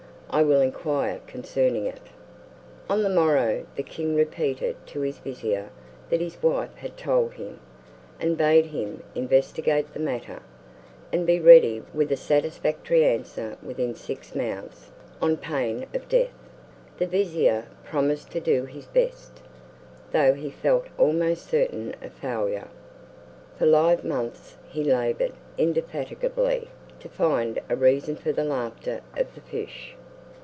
I will inquire concerning it." On the morrow the king repeated to his vizier what his wife had told him, and bade him investigate the matter, and be ready with a satisfactory answer within six mouths, on pain of death. The vizier promised to do his best, though he felt almost certain of failure. For live months he labored indefatigably to find a reason for the laughter of the fish.